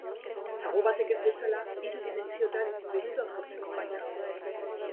Sagu batek ez bezala, hiru dimentsiotan mugimenduak sortzeko gai da.